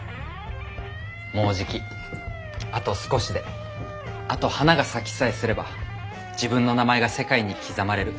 もうじきあと少しであと花が咲きさえすれば自分の名前が世界に刻まれる。